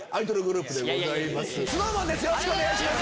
よろしくお願いします。